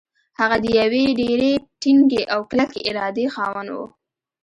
هغه د يوې ډېرې ټينګې او کلکې ارادې خاوند و.